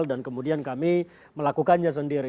dan kemudian kami melakukannya sendiri